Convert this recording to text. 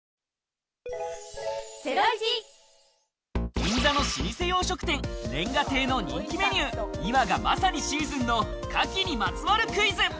銀座の老舗洋食店、煉瓦亭の人気メニュー、今がまさにシーズンの牡蠣にまつわるクイズ。